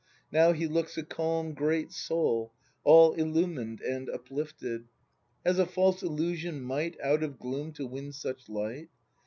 Now he looks a calm great soul. All illumined and uplifted. Has a false illusion might Out of gloom to win such light